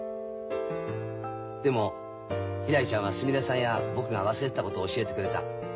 でもひらりちゃんはすみれさんや僕が忘れてたことを教えてくれた。